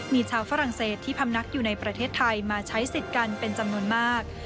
มีชาวฝรั่งเศสที่พำนักอยู่ในประเทศไทยมาใช้สิทธิ์กันเป็นจำนวนมาก